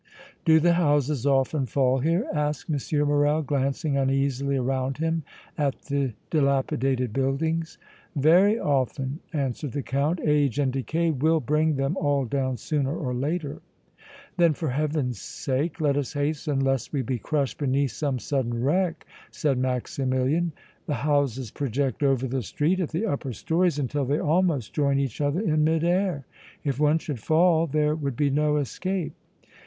"Do the houses often fall here?" asked M. Morrel, glancing uneasily around him at the dilapidated buildings. "Very often," answered the Count. "Age and decay will bring them all down sooner or later." "Then for Heaven's sake let us hasten lest we be crushed beneath some sudden wreck!" said Maximilian. "The houses project over the street at the upper stories until they almost join each other in mid air. If one should fall there would be no escape!"